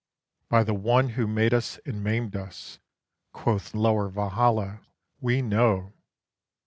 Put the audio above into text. "By the One who made us and maimed us," quoth lower Valhalla, "_we know!